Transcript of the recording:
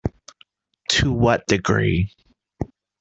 To what degree?